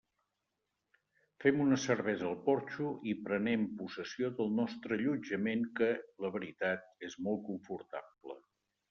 Fem una cervesa al porxo i prenem possessió del nostre allotjament que, la veritat, és molt confortable.